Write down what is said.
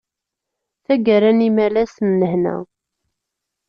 Tagara n imalas n lehna!